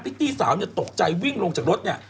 พี่กี้สาวตกใจวิ่งลงจากรถเนี่ย